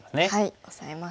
オサえます。